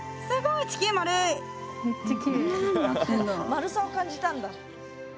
丸さを感じたんだ。